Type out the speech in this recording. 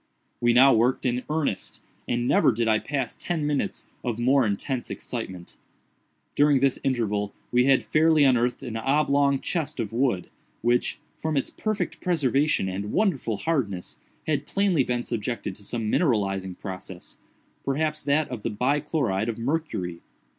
We now worked in earnest, and never did I pass ten minutes of more intense excitement. During this interval we had fairly unearthed an oblong chest of wood, which, from its perfect preservation and wonderful hardness, had plainly been subjected to some mineralizing process—perhaps that of the bi chloride of mercury.